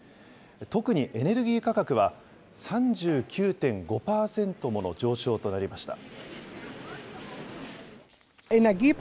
特に、エネルギー価格は３９．５％もの上昇となりました。